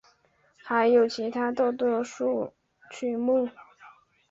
还有其他大多数曲目。